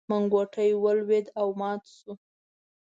منګوټی ولوېد او مات شو.